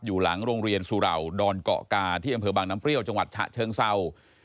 อยู่หลังโรงเรียนสุเหล่าดอนเกาะกาที่อำเภอบางน้ำเปรี้ยวจังหวัดฉะเชิงเศร้า